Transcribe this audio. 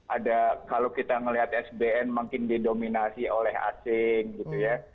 ada kalau kita melihat sbn makin didominasi oleh asing gitu ya